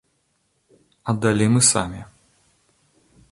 А далей мы самі.